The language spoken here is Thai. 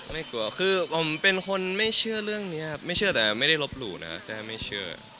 ไม่กลัวคือผมเป็นคนไม่เชื่อเรื่องนี้ครับไม่เชื่อแต่ไม่ได้ลบหลู่นะแค่ไม่เชื่อ